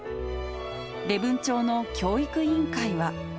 礼文町の教育委員会は。